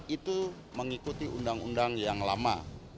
itu mengikuti undang undang yang lama